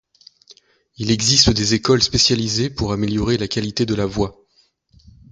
Il existe des écoles spécialisées pour améliorer la qualité de la voix.